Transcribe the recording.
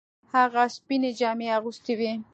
هغه سپینې جامې اغوستې وې.